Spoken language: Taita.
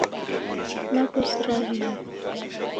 Naw'ezira ghimbe